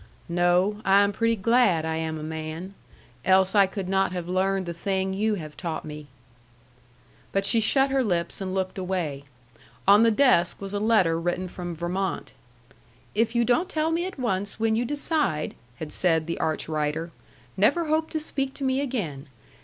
"No. I am pretty glad I am a man. Else I could not have learned the thing you have taught me." But she shut her lips and looked away. On the desk was a letter written from Vermont. "If you don't tell me at once when you decide," had said the arch writer, "never hope to speak to me again.